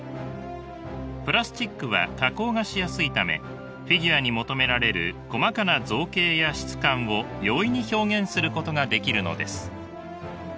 プラスチックは加工がしやすいためフィギュアに求められる細かな造形や質感を容易に表現することができるのです。